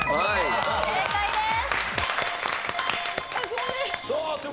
正解です。